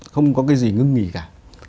không có cái gì ngưng nghỉ cả